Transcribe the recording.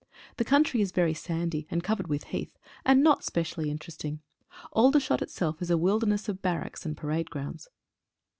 The country is very sandy, and covered with heath, and not specially interesting. Aldershot itself is a wilderness of barracks and parade grounds.